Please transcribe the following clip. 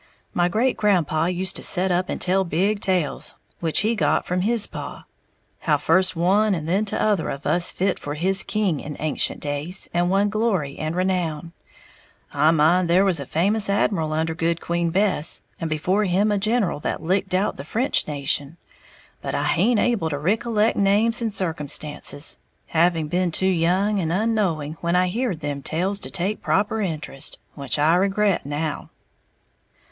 "My great grandpaw used to set up and tell big tales, which he got from his paw, how first one and then t'other of us fit for his king in ancient days, and won glory and renown, I mind there was a famous admiral under Good Queen Bess, and before him a general that licked out the French nation but I haint able to ricollect names and circumstances, having been too young and unknowing when I heared them tales to take proper interest, which I regret now."